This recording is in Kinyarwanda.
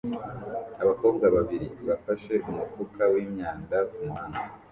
Abakobwa babiri bafashe umufuka wimyanda kumuhanda